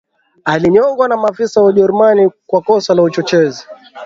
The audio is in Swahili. Alinyongwa na maafisa wa Ujerumani kwa kosa la uchochezi